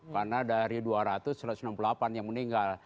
karena dari dua ratus satu ratus enam puluh delapan yang meninggal